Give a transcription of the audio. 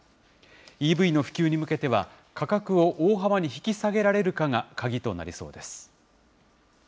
ＥＶの普及に向けては、価格を大幅に引き下げられるかが鍵となりそうです。